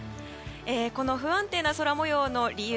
この不安定な空模様の理由